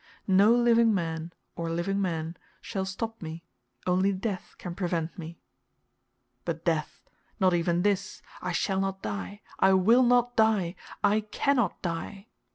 No living man, or living men, shall stop me, only death can prevent me. But death not even this; I shall not die, I will not die, I cannot die!